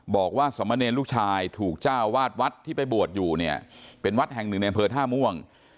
บอกว่าสมเนรลูกชายถูกเจ้าวาดวัดที่ไปบวชอยู่เนี่ยเป็นวัดแห่งหนึ่งในอำเภอท่าม่วง